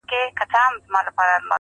كه هر چا كړ دا گيند پورته زموږ پاچا دئ-